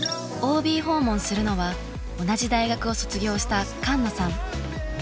ＯＢ訪問するのは同じ大学を卒業した菅野さん。